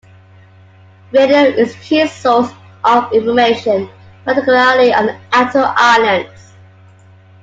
Radio is a key source of information, particularly on the outer islands.